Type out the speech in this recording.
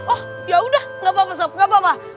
oh yaudah gak apa apa sob gak apa apa